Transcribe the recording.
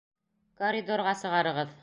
Коридорға сығарығыҙ!